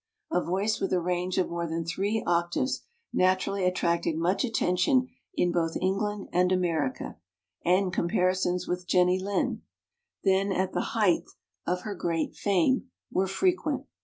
A voice with a range of more than three oc taves naturally attracted much attention in both England and America, and compari sons with Jenny Lind, then at the height of 22 her great fame, were frequent.